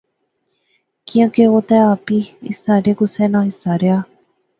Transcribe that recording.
کیاں کہ او تہ اپی اس سارے کُسے ناں حصہ رہیا